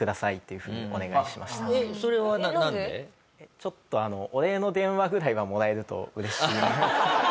ちょっとお礼の電話ぐらいはもらえると嬉しいなみたいな。